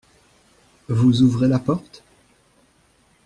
Vous ouvrez la porte ?